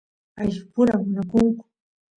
ayllus pura munakunku